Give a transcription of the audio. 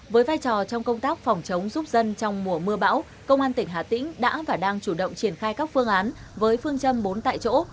với vai trò trong công tác phòng chống giúp dân trong mùa mưa bão công an tỉnh hà tĩnh đã và đang chủ động triển khai các phương án với phương châm bốn tại chỗ